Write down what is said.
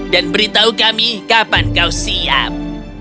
dan beritahu kami kapan kau siap